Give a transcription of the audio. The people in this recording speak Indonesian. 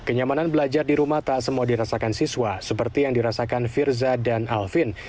kenyamanan belajar di rumah tak semua dirasakan siswa seperti yang dirasakan firza dan alvin